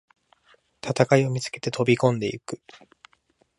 戦いを見つけて飛びこんでいく